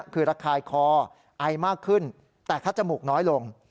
คือระคายคอไอมากขึ้นแต่คัดจมูกน้อยลง